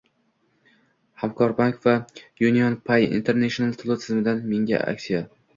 ❇️ Hamkorbank va UnionPay International to'lov tizimidan mega aksiya!